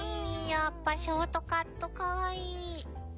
やっぱショートカットかわいい。